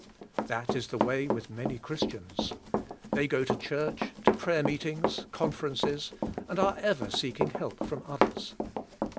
That is the way with many Christians. They go to church, to prayer meeting s, conferences, and are ever seek ing help from others.